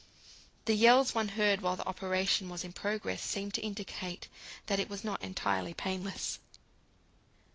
The yells one heard while the operation was in progress seemed to indicate that it was not entirely painless.